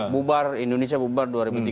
bubar indonesia bubar dua ribu tiga puluh